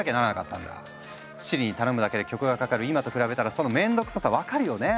Ｓｉｒｉに頼むだけで曲がかかる今と比べたらその面倒くささ分かるよね？